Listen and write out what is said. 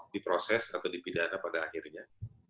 di proses atau dipidana pada akhirnya